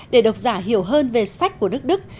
để độc giả hiểu hơn về sách của đức đức